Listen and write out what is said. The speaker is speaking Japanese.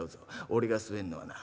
俺が据えんのはな